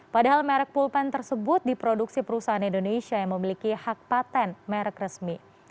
padahal merek pulpen tersebut diproduksi perusahaan indonesia yang memiliki hak patent merek resmi